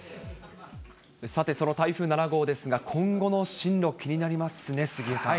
さて、その台風７号ですが、今後の進路、気になりますね、杉江さん。